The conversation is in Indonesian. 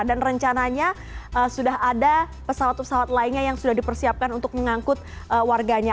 dan rencananya sudah ada pesawat pesawat lainnya yang sudah dipersiapkan untuk mengangkut warganya